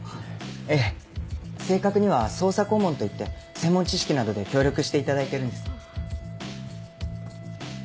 ええ正確には捜査顧問といって専門知識などで協力していただいてるんです。